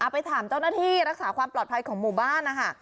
ไปถามเจ้าหน้าที่รักษาความปลอดภัยของหมู่บ้านนะคะ